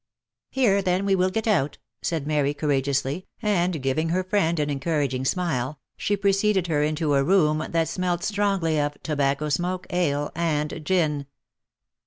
" Here then we will get out," said Mary, courageously, and giving her friend an encouraging smile, she preceded her into a room that smelt strongly of tobacco smoke, ale, and gin.